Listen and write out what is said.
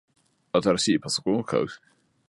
新しいパソコンを買う